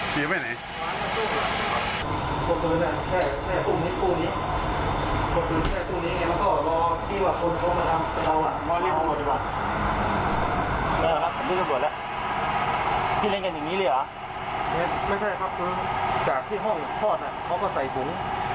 ปีดไว้ไหน